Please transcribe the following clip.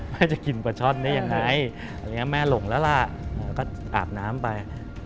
แม่จะกินปลาช่อนได้ยังไง